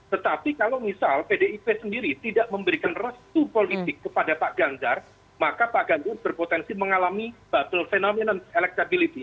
tetapi kalau misal pdip sendiri tidak memberikan restu politik kepada pak ganjar maka pak ganjar berpotensi mengalami battle fenomenase electability